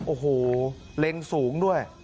โอ้โหเล็งสูงด้วย